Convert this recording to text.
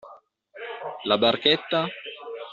la barchetta?